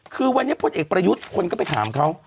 คือวันนี้พลเอกประยุทธ์คนก็ไปถามเขา